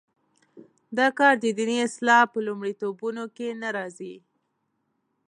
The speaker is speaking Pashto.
دا کار د دیني اصلاح په لومړیتوبونو کې نه راځي.